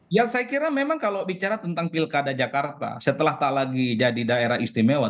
ya saya kira memang kalau bicara tentang pilkada jakarta setelah tak lagi jadi daerah istimewa